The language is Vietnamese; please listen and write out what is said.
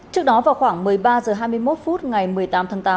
trước đó vào khoảng một mươi ba h hai mươi một phút ngày một mươi tám tháng tám